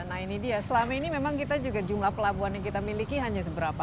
nah ini dia selama ini memang kita juga jumlah pelabuhan yang kita miliki hanya seberapa